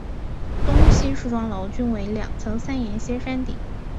东西梳妆楼均为两层三檐歇山顶。